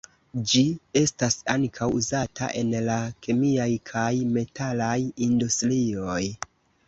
Ĝi estas ankaŭ uzata en la kemiaj kaj metalaj industrioj.